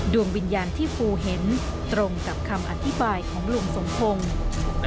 ดวงวิญญาณที่ฟูเห็นตรงกับคำอธิบายของลุงสมพงศ์